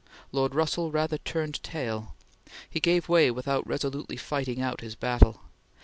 Lord Russell rather turned tail. He gave way without resolutely fighting out his battle.